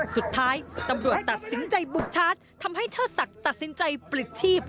สุดท้ายตำรวจตัดสินใจบุกชาร์จทำให้เชิดศักดิ์ตัดสินใจปลิดชีพ